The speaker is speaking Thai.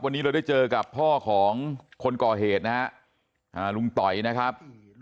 วันนี้เราได้เจอกับพ่อของคนก่อเหตุนะฮะลุงต่อยนะครับ